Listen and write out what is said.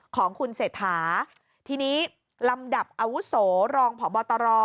ของคุณเสถาทีนี้ลำดับอาวุศรองผอบตรอ